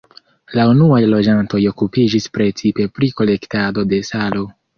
La unuaj loĝantoj okupiĝis precipe pri kolektado de salo.